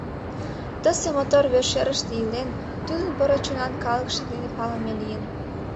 Тысе мотор вершӧрыштӧ илен, тудын поро чонан калыкше дене палыме лийын.